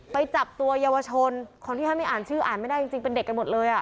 ไปจับตัวเยาวชนคนที่ถ้าไม่อ่านชื่ออ่านไม่ได้จริงเป็นเด็กกันหมดเลยอ่ะ